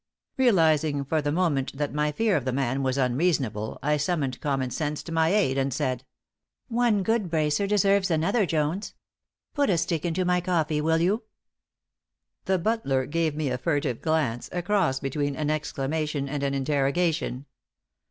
Realizing for the moment that my fear of the man was unreasonable, I summoned common sense to my aid and said: "One good bracer deserves another, Jones. Put a stick into my coffee, will you?" The butler gave me a furtive glance, a cross between an exclamation and an interrogation.